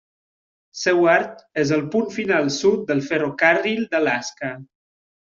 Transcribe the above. Seward és el punt final sud del ferrocarril d'Alaska.